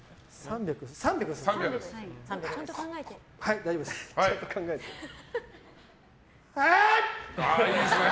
３００ですよね。